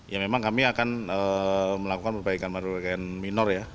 ya memang kami akan melakukan perbaikan perbaikan minor ya